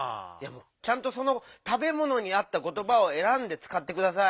ちゃんとそのたべものにあったことばをえらんでつかってください。